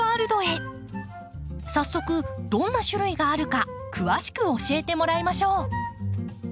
早速どんな種類があるか詳しく教えてもらいましょう。